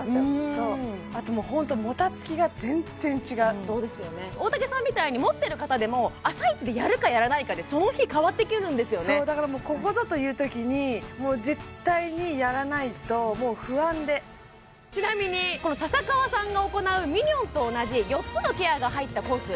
そうあともうホントもたつきが全然違う大竹さんみたいに持ってる方でも朝いちでやるかやらないかでその日変わってくるんですよねだからもうここぞというときにもう絶対にやらないともう不安でちなみにこの笹川さんが行うミニョンと同じ４つのケアが入ったコース